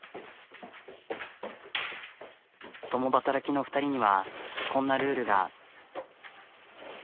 共働きの２人にはこんなルールが。